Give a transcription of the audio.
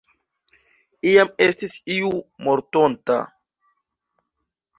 Iam estis iu mortonta.